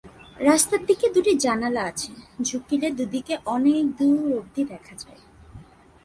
রাস্তার দিকে দুটি জানালা আছে, ঝুঁকিলে দুদিকে অনেক দূর অবধি দেখা যায়।